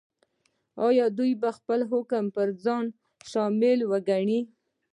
ایا دی به خپل حکم پر ځان شامل وګڼي؟